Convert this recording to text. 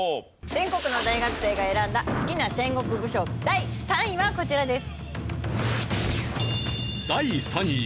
全国の大学生が選んだ好きな戦国武将第３位はこちらです。